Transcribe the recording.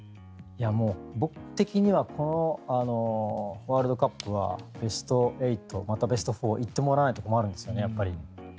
僕的にはこのワールドカップはベスト８またベスト４に行ってもらわないと困るんですよね。